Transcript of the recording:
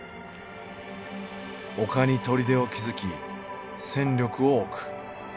丘に砦を築き戦力を置く。